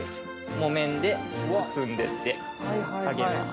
木綿で包んでってあげます。